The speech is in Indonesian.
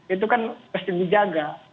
itu kan mesti dijaga